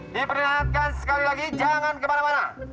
diperlihatkan sekali lagi jangan kemana mana